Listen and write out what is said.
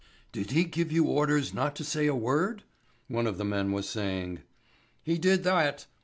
"Did he give you orders not to say a word?" one of the men was saying. "He did that!"